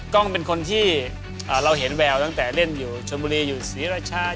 กล้องเป็นคนที่เราเห็นแววตั้งแต่เล่นอยู่ชนบุรีอยู่ศรีราชา